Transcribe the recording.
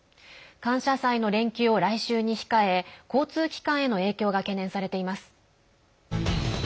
感謝祭の連休を来週に控え交通機関への影響が懸念されています。